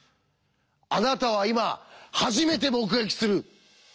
あなたは今初めて目撃する！